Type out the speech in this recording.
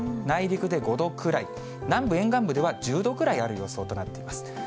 内陸で５度くらい、南部、沿岸部では１０度ぐらいある予想となっています。